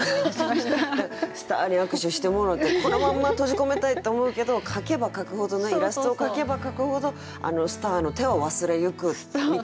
スターに握手してもろてこのまんま閉じ込めたいと思うけど描けば描くほどなイラストを描けば描くほどスターの手は忘れゆくみたいな。